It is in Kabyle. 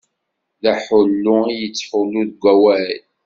D aḥullu i yettḥullu deg wawal.